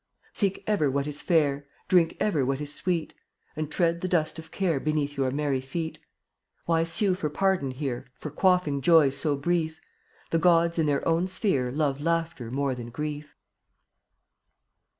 Seek ever what is fair, Drink ever what is sweet, And tread the dust of care Beneath your merry feet. Why sue for pardon here For quaffing joy so brief? The gods in their own sphere Love Laughter more than Grief.